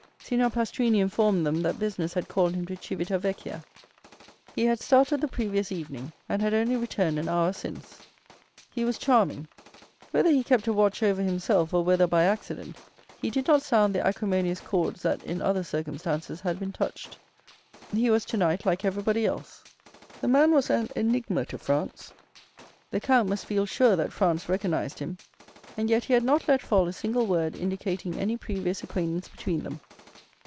Signor Pastrini informed them that business had called him to Civita Vecchia. He had started the previous evening, and had only returned an hour since. He was charming. Whether he kept a watch over himself, or whether by accident he did not sound the acrimonious chords that in other circumstances had been touched, he was tonight like everybody else. The man was an enigma to Franz. The count must feel sure that Franz recognized him; and yet he had not let fall a single word indicating any previous acquaintance between them.